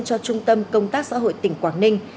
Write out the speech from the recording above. cho trung tâm công tác xã hội tỉnh quảng ninh